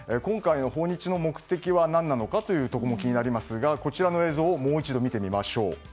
今回の訪日の目的は何なのか気になりますがこちらの映像をもう一度見てみましょう。